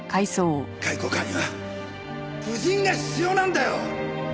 外交官には夫人が必要なんだよ！